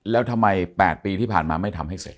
แล้วทำไม๘ปีที่ผ่านมาไม่ทำให้เสร็จ